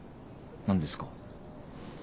何ですか？